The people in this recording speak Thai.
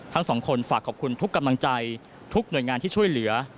ทั้งสองคนฝากขอบคุณทุกกำลังใจทุกหน่วยงานที่ช่วยเหลือ